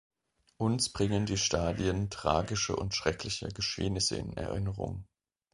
Uns bringen die Stadien tragische und schreckliche Geschehnisse in Erinnerung.